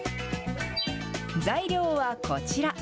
材料はこちら。